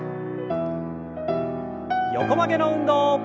横曲げの運動。